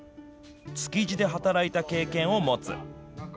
築地で働いた経験を持つ。